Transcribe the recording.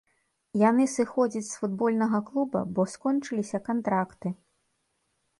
Яны сыходзяць з футбольнага клуба, бо скончыліся кантракты.